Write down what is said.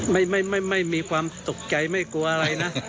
ไม่มีความตกใจไม่กลัวอะไรนะ